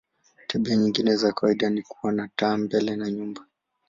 Tabia nyingine za kawaida ni kuwa na taa mbele na nyuma.